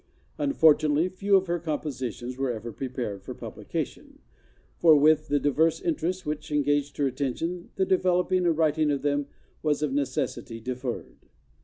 Unfortunately, few of her compositions were ever prepared for publication, for with the diverse interests which engaged her attention, the developing and writing of them was of necessity de¬ ferred.